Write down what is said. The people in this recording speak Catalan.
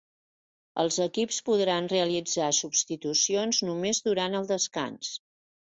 Els equips podran realitzar substitucions només durant el descans.